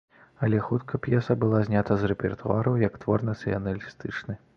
Але хутка п'еса была знята з рэпертуару як твор нацыяналістычны.